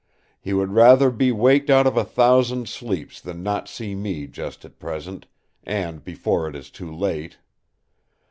He would rather be waked out of a thousand sleeps than not see me just at present—and before it is too late.